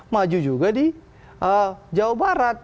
maju juga di jawa barat